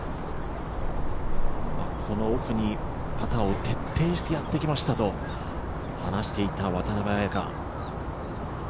このオフにパターを徹底してやってきましたと話していました渡邉彩香。